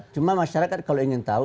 cuma masyarakat kalau ingin tahu